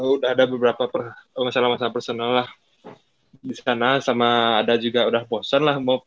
udah ada beberapa masalah masalah personal lah di sana sama ada juga udah bosan lah